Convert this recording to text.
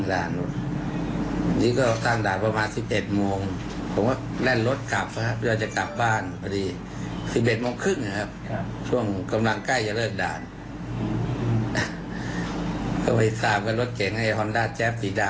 เป็นไปได้ไหมครับว่าเขาไม่เห็นเรา